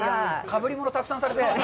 かぶりものをたくさんされて。